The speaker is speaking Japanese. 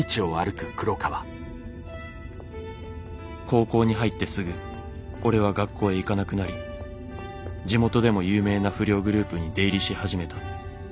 「高校に入ってすぐ俺は学校へ行かなくなり地元でも有名な不良グループに出入りし始めた。